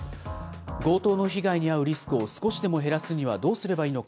強盗の被害に遭うリスクを少しでも減らすにはどうすればいいのか。